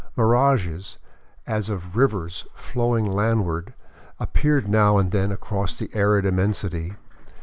Mirages, as of rivers flowing landward, appeared now and then across the arid immensity.